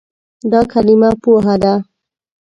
دا کلمه "پوهه" ده.